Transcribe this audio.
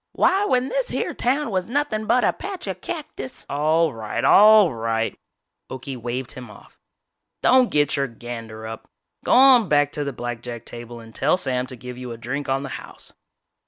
Why when this here town was nothin' but a patch of cactus " "All right, all right," Okie waved him off, "don't get your gander up! Go on back to the blackjack table and tell Sam to give you a drink on the house."